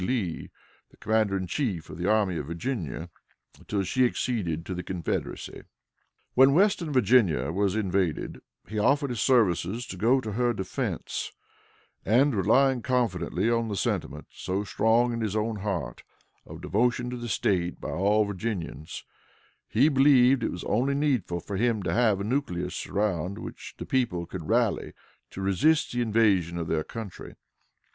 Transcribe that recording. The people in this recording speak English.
Lee, the commander in chief of the Army of Virginia, until she acceded to the Confederacy. When Western Virginia was invaded, he offered his services to go to her defense, and, relying confidently on the sentiment, so strong in his own heart, of devotion to the State by all Virginians, he believed it was only needful for him to have a nucleus around which the people could rally to resist the invasion of their country.